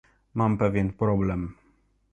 Mam pewien problem